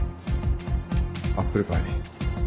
アップルパイ。